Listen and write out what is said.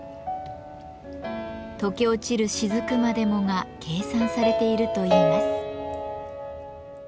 とけ落ちる滴までもが計算されているといいます。